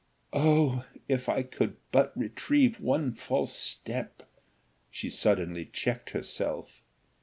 "O if I could but retrieve one false step!" she suddenly checked herself.